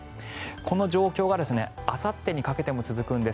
この状況があさってにかけても続くんです。